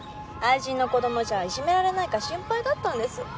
愛人の子供じゃいじめられないか心配だったんです。